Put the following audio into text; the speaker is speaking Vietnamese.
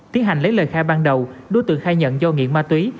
tiến hành lấy lời khai ban đầu đối tượng khai nhận do nghiện ma túy